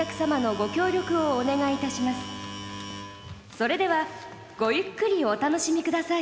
それではごゆっくりお楽しみ下さい」。